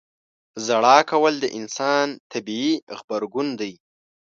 • ژړا کول د انسان طبیعي غبرګون دی.